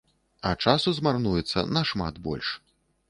А часу змарнуецца нашмат больш.